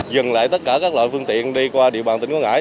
dừng lại tất cả các loại phương tiện đi qua địa bàn tỉnh quảng ngãi